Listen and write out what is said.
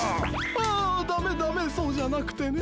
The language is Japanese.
あダメダメそうじゃなくてね。